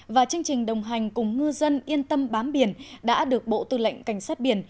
và chương trình đồng hành cùng ngư dân yên tâm bám biển đã được bộ tư lệnh cảnh sát biển